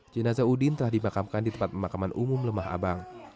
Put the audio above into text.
jenazah udin telah dimakamkan di tempat pemakaman umum lemah abang